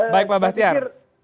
baik pak bastian